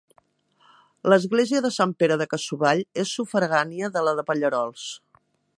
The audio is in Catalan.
L'església de Sant Pere de Cassovall és sufragània de la de Pallerols.